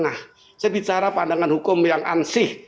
nah saya bicara pandangan hukum yang ansih